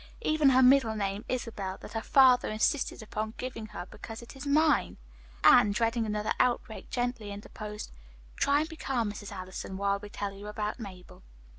Even her middle name, Isabel, that her father insisted upon giving her because it is mine!" Anne, dreading another outbreak, gently interposed. "Try and be calm, Mrs. Allison, while we tell you about Mabel."